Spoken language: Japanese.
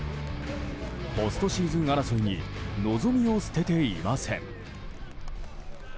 ポストシーズン争いに望みを捨てていません。